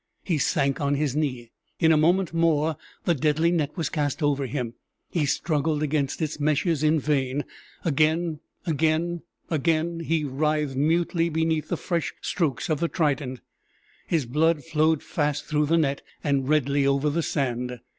He sank on his knee. In a moment more the deadly net was cast over him, he struggled against its meshes in vain; again again again he writhed mutely beneath the fresh strokes of the trident his blood flowed fast through the net and redly over the sand.